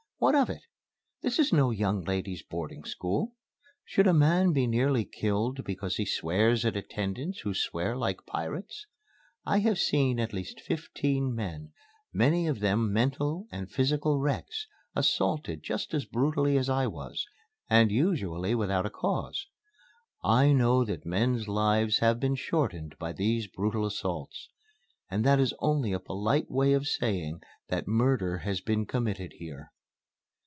What of it? This is no young ladies' boarding school. Should a man be nearly killed because he swears at attendants who swear like pirates? I have seen at least fifteen men, many of them mental and physical wrecks, assaulted just as brutally as I was, and usually without a cause. I know that men's lives have been shortened by these brutal assaults. And that is only a polite way of saying that murder has been committed here."